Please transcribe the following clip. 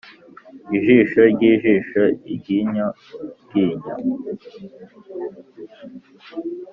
ijisho ryijisho, iryinyo ryinyo